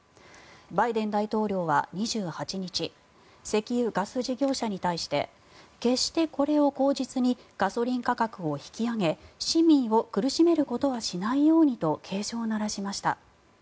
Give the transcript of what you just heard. バイデン大統領は２８日石油・ガス事業者に対して決してこれを口実にガソリン価格を引き上げ市民を苦しめることはしないようにと警鐘を鳴らしました。